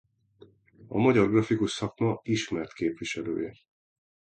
A magyar grafikus szakma ismert képviselője.